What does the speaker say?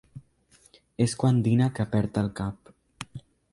És quan dina que perd el cap.